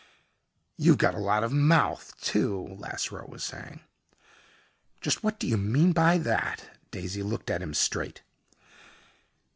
"You've got a lot of mouth, too," Lasseroe was saying. "Just what do you mean by that?" Daisy looked at him straight.